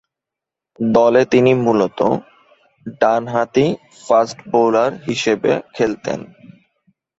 দলে তিনি মূলতঃ ডানহাতি ফাস্ট বোলার হিসেবে খেলতেন।